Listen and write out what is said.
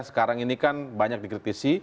sekarang ini kan banyak dikritisi